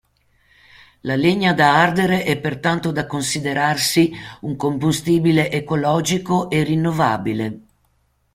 La legna da ardere è pertanto da considerarsi un combustibile ecologico e rinnovabile.